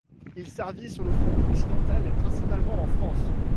Il servit sur le front occidental et principalement en France.